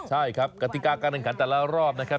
ใช่ครับกติกาการแข่งขันแต่ละรอบนะครับ